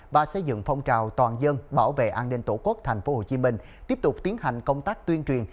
và xây dựng phong trào toàn dân bảo vệ an ninh tổ quốc tp hcm tiếp tục tiến hành công tác tuyên truyền